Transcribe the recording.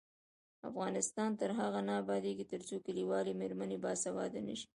افغانستان تر هغو نه ابادیږي، ترڅو کلیوالې میرمنې باسواده نشي.